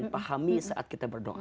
paham karena kita berdoa